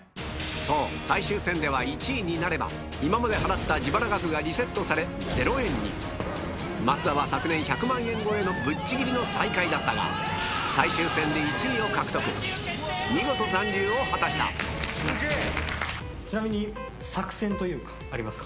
そう最終戦では１位になれば今まで払った自腹額がリセットされゼロ円に増田は昨年１００万円超えのぶっちぎりの最下位だったが最終戦で１位を獲得見事残留を果たしたちなみに作戦というかありますか？